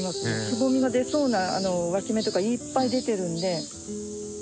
つぼみが出そうなわき芽とかいっぱい出てるんで。